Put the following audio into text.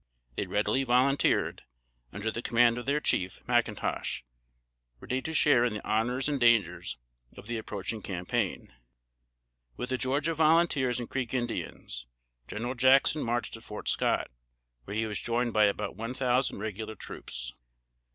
They readily volunteered, under the command of their chief, McIntosh, ready to share in the honors and dangers of the approaching campaign. With the Georgia volunteers and Creek Indians, General Jackson marched to Fort Scott, where he was joined by about one thousand regular troops.